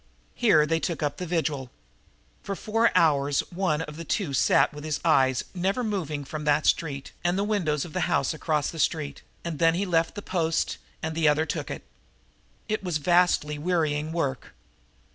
Here they took up the vigil. For four hours one of the two sat with eyes never moving from the street and the windows of the house across the street; and then he left the post, and the other took it. It was vastly wearying work.